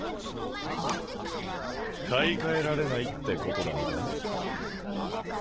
あ？買い替えられないってことなのか？